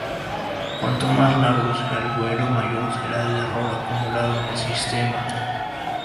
Cuanto más largo sea el vuelo mayor será el error acumulado en el sistema.